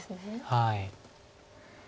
はい。